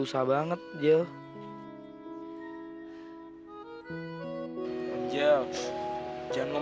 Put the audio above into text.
aku juga gak mungkin bisa jadi kamu angel